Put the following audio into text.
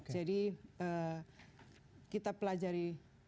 jadi kita pelajari